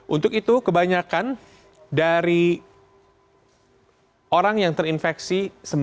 untuk itu kebanyakan dari orang yang terinfeksi sembilan